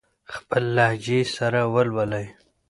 خپل لهجې سره ولولئ.